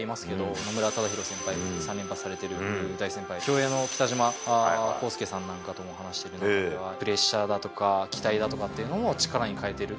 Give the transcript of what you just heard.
野村忠宏先輩、３連覇されてる大先輩、競泳の北島康介さんなんかとも話してる中では、プレッシャーだとか期待だとかっていうのを力に変えてる。